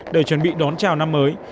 để chuẩn bị đón chào năm mới